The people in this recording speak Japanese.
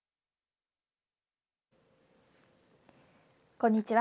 こんにちは。